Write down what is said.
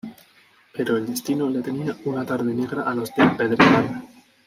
Pero el destino le tenía una tarde negra a los del Pedregal.